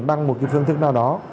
bằng một phương thức nào đó